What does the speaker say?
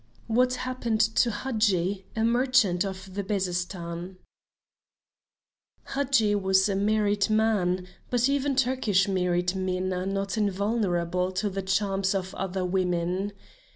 WHAT HAPPENED TO HADJI, A MERCHANT OF THE BEZESTAN Hadji was a married man, but even Turkish married men are not invulnerable to the charms of other women.